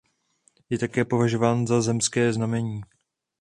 Je také považován za zemské znamení.